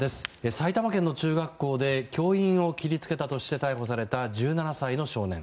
埼玉県の中学校で教員を切りつけたとして逮捕された１７歳の少年。